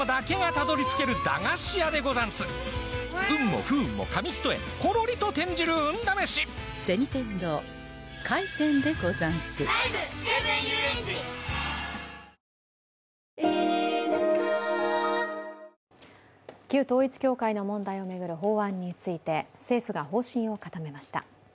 もう１つの焦点、旧統一教会の問題を巡る法案について、政府が方針を固めました。